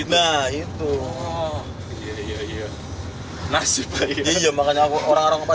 iya itu pasti depan kotrakanku ada orang meninggal